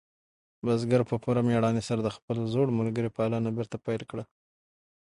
بزګر په پوره مېړانې سره د خپل زوړ ملګري پالنه بېرته پیل کړه.